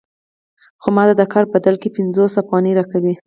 خو ماته د کار په بدل کې پنځوس افغانۍ راکوي